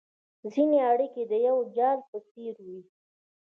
ځیني اړیکي د یو جال په څېر وي